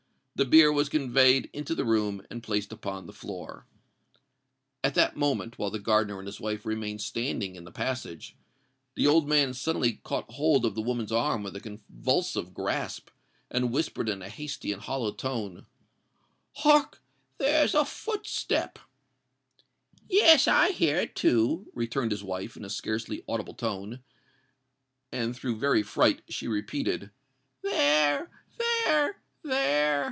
The bier was conveyed into the room, and placed upon the floor. At that moment—while the gardener and his wife remained standing in the passage—the old man suddenly caught hold of the woman's arm with a convulsive grasp, and whispered in a hasty and hollow tone, "Hark! there's a footstep!" "Yes—I hear it too!" returned his wife, in a scarcely audible tone: and, through very fright, she repeated, "There—there—there!"